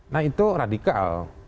nah itu radikal